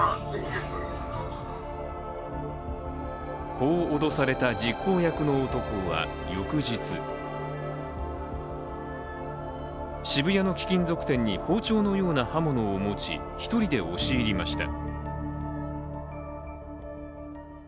こう脅された実行役の男は翌日渋谷の貴金属店に訪朝のような刃物を持ち１人で押し入りました。